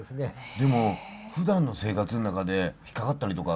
でもふだんの生活の中で引っ掛かったりとか？